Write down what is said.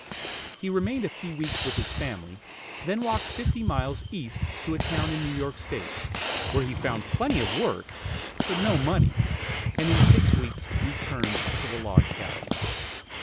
He remained a few weeks with his family, then walked fifty miles east to a town in New York State, where he found plenty of work, but no money, and in six weeks returned to the log cabin.